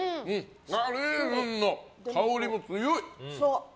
レーズンの香りも強い。